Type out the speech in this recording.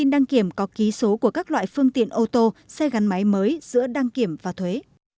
đăng ký ô tô xe gắn máy mới giữa đăng kiểm và thuế